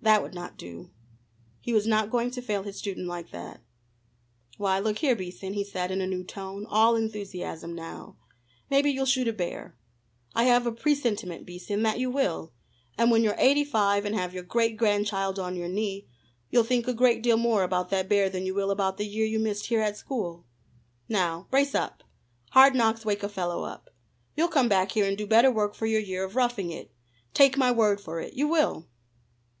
That would not do. He was not going to fail his student like that. "Why, look here, Beason," he said in a new tone, all enthusiasm now, "maybe you'll shoot a bear. I have a presentiment, Beason, that you will, and when you're eighty five and have your great grandchild on your knee, you'll think a great deal more about that bear than you will about the year you missed here at school. Now brace up! Hard knocks wake a fellow up. You'll come back here and do better work for your year of roughing it take my word for it, you will."